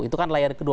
itu kan layar kedua